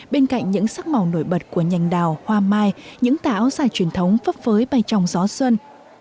bên cạnh những sắc màu nổi bật của nhành đào hoa mai những tả áo dài truyền thống phấp phới bay trong gió xuân